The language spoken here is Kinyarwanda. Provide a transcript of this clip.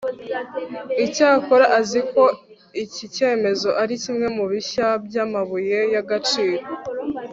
icyakora, azi ko iki cyemezo ari kimwe mu bishya by'amabuye y'agaciro